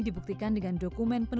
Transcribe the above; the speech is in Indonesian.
jait quickest database di bidang it